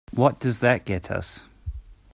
What does that get us?